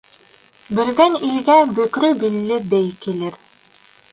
Бөлгән илгә бөкрө билле бей килер.